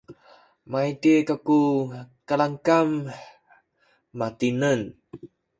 maydih kaku kalamkam matineng